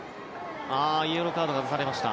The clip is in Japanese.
イエローカードが出されました。